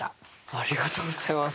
ありがとうございます。